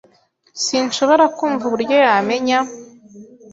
Sinshobora kumva uburyo yamenya